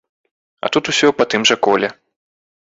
А тут усё па тым жа коле.